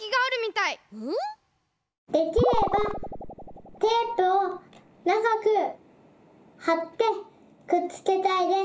できればテープをながくはってくっつけたいです。